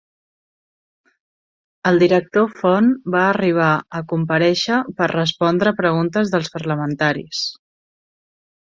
El director Font va arribar a comparèixer per respondre preguntes dels parlamentaris.